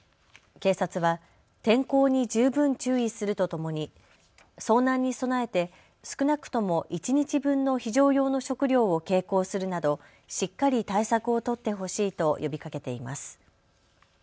警察は天候に十分注意するとともに遭難に備えて少なくとも一日分の非常用の食料を携行するなどしっかり対策を取ってほしいと呼びかけています。